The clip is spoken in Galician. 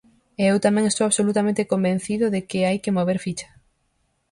E eu tamén estou absolutamente convencido de que hai que mover ficha.